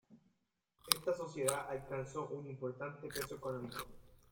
Esta Sociedad alcanzó un importante peso económico.